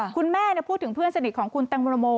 คุณแม่พูดถึงเพื่อนสนิทของคุณแตงโม